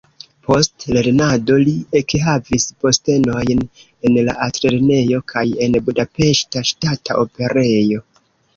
Post lernado li ekhavis postenojn en la Altlernejo kaj en Budapeŝta Ŝtata Operejo.